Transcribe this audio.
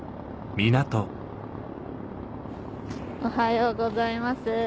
おはようございます。